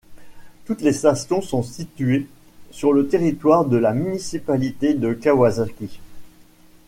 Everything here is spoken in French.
Toutes les stations sont situées sur le territoire de la municipalité de Kawasaki.